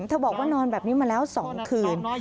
บอกว่านอนแบบนี้มาแล้ว๒คืน